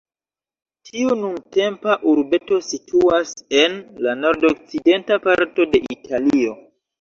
Tiu nuntempa urbeto situas en la nordokcidenta parto de Italio.